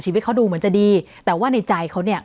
ชีวิตเขาดูเหมือนจะดีแต่ว่าในใจเขาเนี่ย